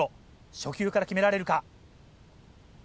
初球から決められるか？